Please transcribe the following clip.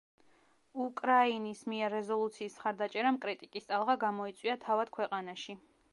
უკრაინის მიერ რეზოლუციის მხარდაჭერამ კრიტიკის ტალღა გამოიწვია თავად ქვეყანაში.